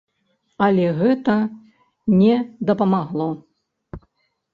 Але гэта не дапамагло.